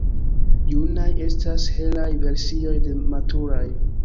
Junaj estas helaj versioj de maturaj.